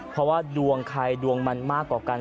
เพราะว่าดวงใครดวงมันมากกว่ากัน